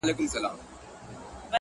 مورې د دې شاعر کتاب چي په لاسونو کي دی!!